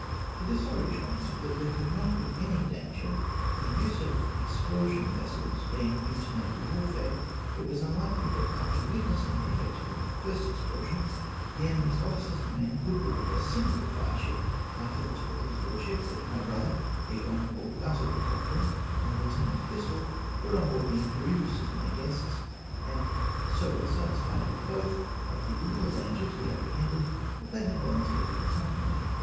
To this I rejoined, that there could not be any dan ger, for the use of explosion vessels being new to naval warfare, it was unfikely that, after witnessing the efiect of the first explosion, the enemy's officers and men would board a single fireship. I further told his lord ship that my brother, the Hon. Basil Cochrane, and Lieut. Bissel were on board the Imperieuse as my guests, and so well satisfied were both of the httle dan ger to be apprehended that they had volunteered to accompany me.